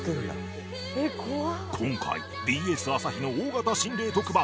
今回 ＢＳ 朝日の大型心霊特番